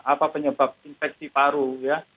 apa penyebab infeksi paru ya